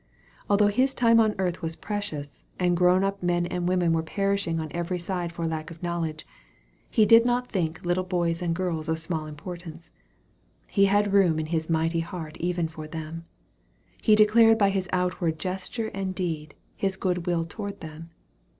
Al though His time on earth was precious, and growo up men and women were perishing on every side for lack of knowledge, He did not think little boys and girls of small importance. He had room in His mighty heart even for them. He declared by His outward gesture and deed, His good will toward them.